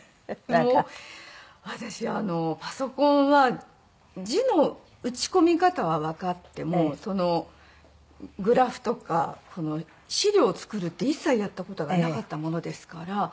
もう私パソコンは字の打ち込み方はわかってもグラフとか資料を作るって一切やった事がなかったものですから。